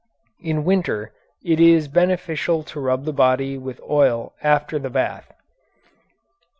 In winter it is beneficial to rub the body with oil after the bath.